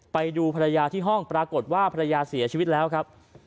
ไปดูภรรยาที่ห้องปรากฏว่าภรรยาเสียชีวิตแล้วครับ